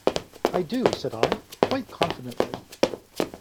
"I do," said I, "quite confidently."